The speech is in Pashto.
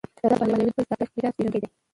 رضا پهلوي د خپل تاریخي میراث پیژندونکی دی.